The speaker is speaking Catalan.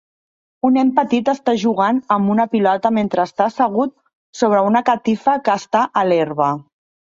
Un nen petit està jugant amb una pilota mentre està assegut sobre una catifa que està a l'herba